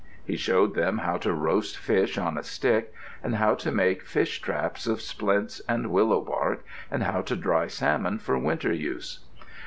He showed them how to roast fish on a stick, and how to make fish traps of splints and willow bark, and how to dry salmon for winter use.